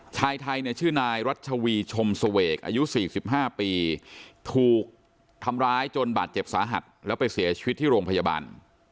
ชายไทยเนี่ยชื่อนายรัชวีชมเสวกอายุ๔๕ปีถูกทำร้ายจนบาดเจ็บสาหัสแล้วไปเสียชีวิตที่โรงพยาบาล